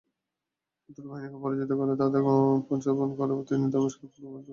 শত্রু বাহিনীকে পরাজিত করেন ও তাদের পশ্চাদ্ধাবন করে তিনি দামেশকের পূর্ব প্রান্ত পর্যন্ত পৌঁছেন।